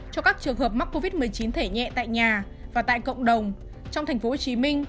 cho các trường hợp mắc covid một mươi chín thể nhẹ tại nhà và tại cộng đồng trong tp hcm